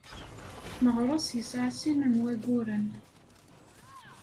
Meɣres yesɛa sin n wayyuren.